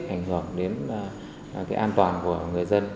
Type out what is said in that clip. ảnh hưởng đến an toàn của người dân